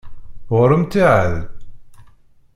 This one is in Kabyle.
Ɣur-m ttiεad?